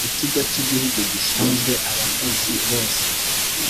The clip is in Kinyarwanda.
ikigo cy’ igihugu gishinzwe abakozi bose.